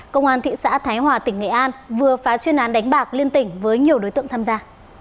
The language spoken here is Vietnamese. công an thị xã thái hòa tỉnh nghệ an vừa phá chuyên án đánh bạc liên tỉnh với nhiều đối tượng tham gia